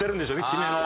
決めの。